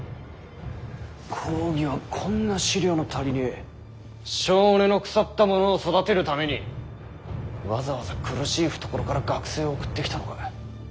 公儀はこんな思慮の足りねぇ性根の腐った者を育てるためにわざわざ苦しい懐から学生を送ってきたのか？